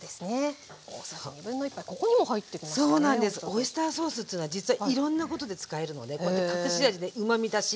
オイスターソースっつうのは実はいろんなことで使えるのでこうやって隠し味でうまみ出し。